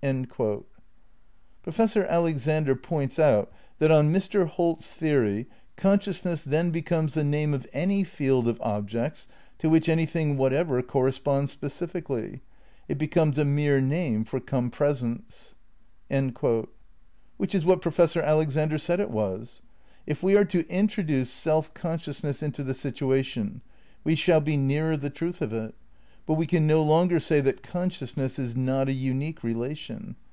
' Professor Alexander points out that, on Mr. Holt's theory, "Consciousness then becomes the name of any field of objects to which anything whatever corresponds specifically. It becomes a mere name for compresence." ' Which is what Professor Alexander said it was ! If we are to introduce self consciousness into the situa tion, we shall be nearer the truth of it, but we can no longer say that consciousness is not a unique relation.